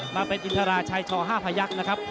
มาเป็นอินทราชัยช๕พยักษ์นะครับ